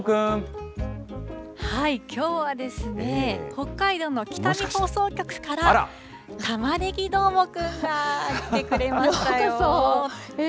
きょうはですね、北海道の北見放送局から、たまねぎどーもくんが来てくれましたよ。